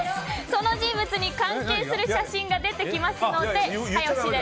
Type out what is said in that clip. その人物に関係する写真が出てきますので早押しで。